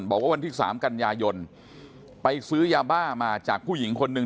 วันที่๓กันยายนไปซื้อยาบ้ามาจากผู้หญิงคนหนึ่ง